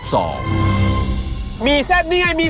ซอสหมูจำนวน๖ชามค่า